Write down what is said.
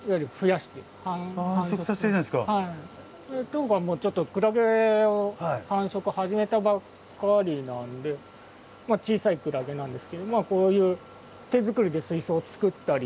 当館もちょっとクラゲを繁殖始めたばっかりなんでまあ小さいクラゲなんですけどこういう手作りで水槽作ったり。